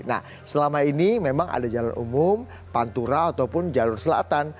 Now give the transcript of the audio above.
nah selama ini memang ada jalan umum pantura ataupun jalur selatan